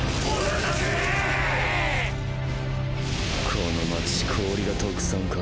この街氷が特産か？